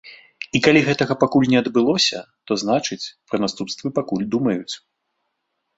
І калі гэтага пакуль не адбылося, то значыць, пра наступствы пакуль думаюць.